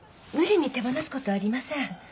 無理に手放すことありません。